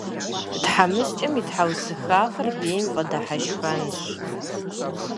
ТхьэмыщкӀэм и тхьэусыхафэр бейм фӀэдыхьэшхэнщ.